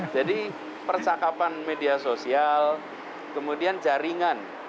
jadi percakapan media sosial kemudian jaringan